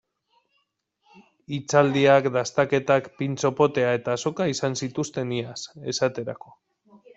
Hitzaldiak, dastaketak, pintxo potea eta azoka izan zituzten iaz, esaterako.